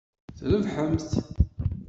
Trebḥemt!